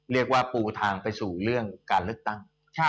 เรียกว่าปูทางไปสู่เรื่องการเลือกตั้ง